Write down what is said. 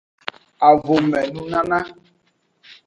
Avome nunana.